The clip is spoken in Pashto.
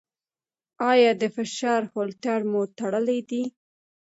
ایا د فشار هولټر مو تړلی دی؟